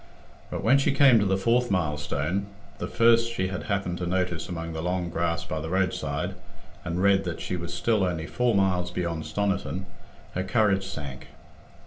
But when she came to the fourth milestone, the first she had happened to notice among the long grass by the roadside, and read that she was still only four miles beyond Stoniton, her courage sank.